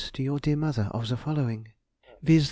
to your dear mother of the following, viz.